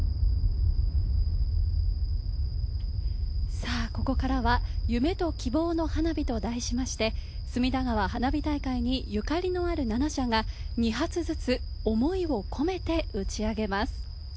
さあ、ここからは夢と希望の花火と題しまして、隅田川花火大会に、ゆかりのある７社が２発ずつ思いを込めて打ち上げます。